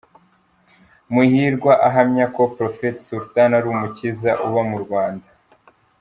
Muhirwa ahamya ko Prophet Sultan ari umukiza uba mu Rwanda.